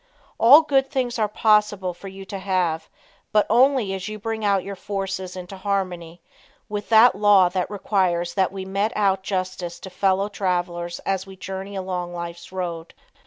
All good things are possible for you to have, but only as you bring your forces into harmony with that law that requires that we mete out justice to fellow travelers as we journey along life's road.